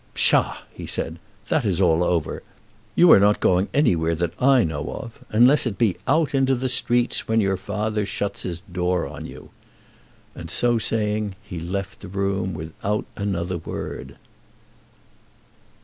"Psha," he said, "that is all over. You are not going anywhere that I know of, unless it be out into the streets when your father shuts his door on you." And so saying he left the room without another word.